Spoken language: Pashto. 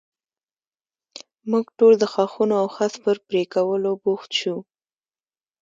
موږ ټول د ښاخونو او خس پر پرې کولو بوخت شو.